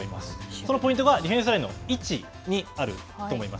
そのポイントが、ディフェンスラインの位置にあると思います。